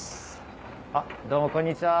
どうもこんにちは。